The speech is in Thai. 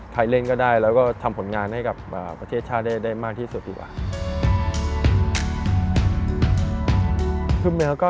เล่นก็ได้แล้วก็ทำผลงานให้กับประเทศชาติได้มากที่สุดดีกว่า